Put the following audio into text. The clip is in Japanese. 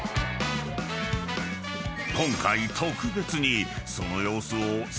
［今回特別に］